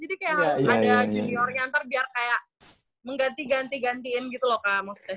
jadi kayak harus ada juniornya ntar biar kayak mengganti gantiin gitu loh kak maksudnya